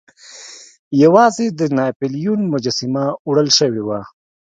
یوازې د ناپلیون مجسمه وړل شوې وه.